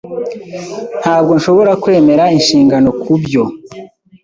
Ntabwo nshobora kwemera inshingano kubyo.